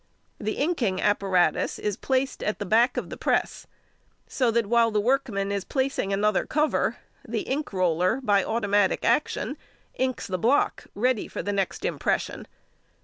The inking apparatus is placed at the back of the press, so that while the workman is placing another cover, the ink roller, by automatic action, inks the block ready for the next impression.